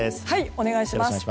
お願いします。